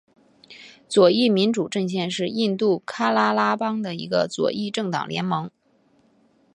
左翼民主阵线是印度喀拉拉邦的一个左翼政党联盟。